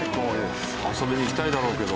遊びに行きたいだろうけど。